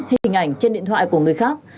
hình ảnh trên điện thoại của người khác